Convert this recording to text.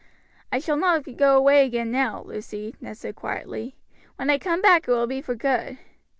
"I shall not go away again now, Lucy," Ned said quietly. "When I come back it will be for good."